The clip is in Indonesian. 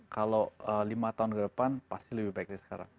kalau lima tahun ke depan pasti lebih baik dari sekarang